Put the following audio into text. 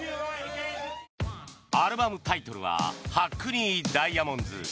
アルバムタイトルは「ハックニー・ダイアモンズ」。